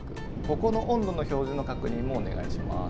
ここの温度の表示の確認もお願いします。